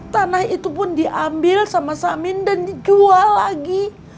tanah itu pun diambil sama samin dan dijual lagi